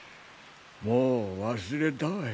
もう忘れたわい。